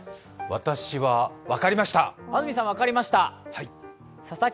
私も分かりました。